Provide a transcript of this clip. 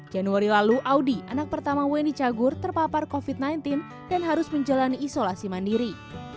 januari lalu audi anak pertama weni cagur terpapar covid sembilan belas dan harus menjalani isolasi mandiri